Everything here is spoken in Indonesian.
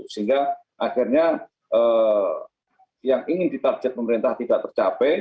sehingga akhirnya yang ingin ditarget pemerintah tidak tercapai